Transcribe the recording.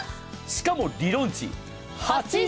しかも理論値